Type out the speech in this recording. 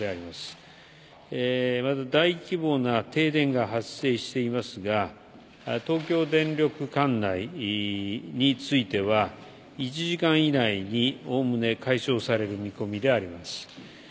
まず大規模な停電が発生していますが東京電力管内については１時間以内におおむね解消される見込みであります。